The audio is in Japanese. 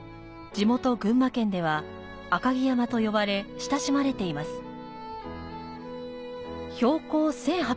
地元、群馬県では「あかぎやま」と呼ばれ親しまれています。